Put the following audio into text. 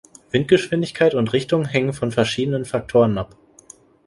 Windgeschwindigkeit und -richtung hängen von verschiedenen Faktoren ab.